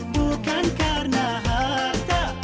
bukan karena harta